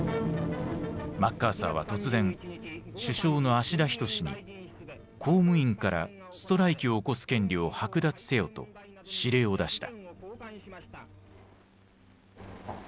マッカーサーは突然首相の芦田均に「公務員からストライキを起こす権利を剥奪せよ」と指令を出した。